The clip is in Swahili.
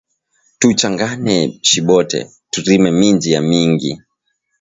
Tu changane shi bote, tu rime minji ya mingi